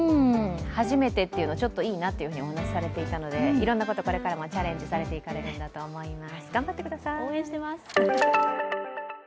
初めてというのはちょっといいなとお話しされていたのでいろんなこと、これからもチャレンジされていかれるんだと思います。